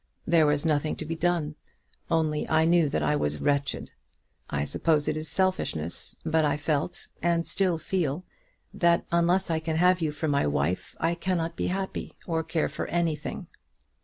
There was nothing to be done, only I knew that I was wretched. I suppose it is selfishness, but I felt, and still feel, that unless I can have you for my wife, I cannot be happy or care for anything.